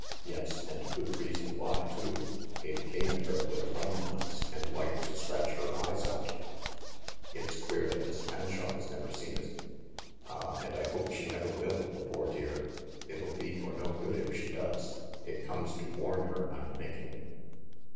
"Yes, and good reason why, too! It came at Her with a run once, and like to scratch her eyes out." "It's queer that Miss Fanshawe has never seen it." "Ah, and I hope she never will, the poor dear ! It'll be for no good if she does. It comes to warn her, I'm thinking."